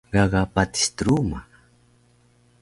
Gaga patis truma